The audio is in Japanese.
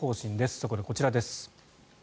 そこでこちらです。